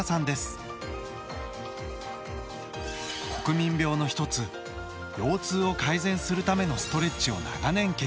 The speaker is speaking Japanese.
国民病の一つ腰痛を改善するためのストレッチを長年研究。